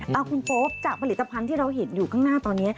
เอาคุณโป๊ปจากผลิตภัณฑ์ที่เราเห็นอยู่ข้างหน้าตอนนี้